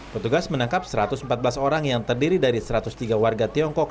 petugas menangkap satu ratus empat belas orang yang terdiri dari satu ratus tiga warga tiongkok